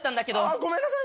ごめんなさい。